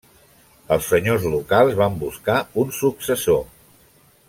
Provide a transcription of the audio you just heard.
Els senyors locals van buscar un successor.